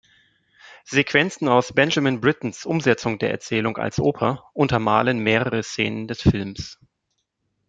Sequenzen aus Benjamin Brittens Umsetzung der Erzählung als Oper untermalen mehrere Szenen des Films.